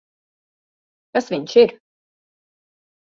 Kas viņš ir?